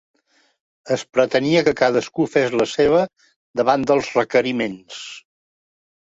Es pretenia que cadascú fes la seva davant dels requeriments.